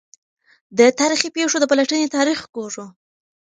د تا ریخي پېښو د پلټني تاریخ ګورو.